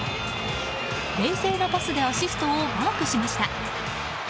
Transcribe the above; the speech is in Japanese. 冷静なパスでアシストをマークしました。